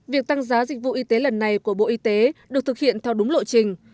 việc tăng giá dịch vụ y tế lần này của bộ y tế được thực hiện theo đúng lộ trình